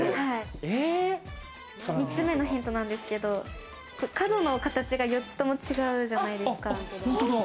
３つ目のヒントなんですけど、角の形が４つとも違うじゃないですか。